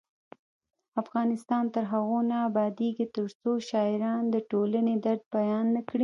افغانستان تر هغو نه ابادیږي، ترڅو شاعران د ټولنې درد بیان نکړي.